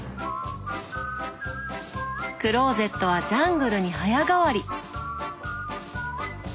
クローゼットはジャングルに早変わり。